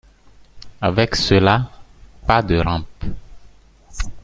Avec cela pas de rampe.